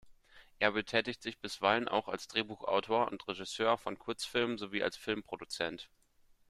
Er betätigt sich bisweilen auch als Drehbuchautor und Regisseur von Kurzfilmen sowie als Filmproduzent.